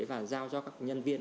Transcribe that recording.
và giao cho các nhân viên